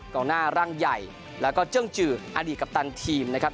กองหน้าร่างใหญ่แล้วก็เจิ้งจืออดีตกัปตันทีมนะครับ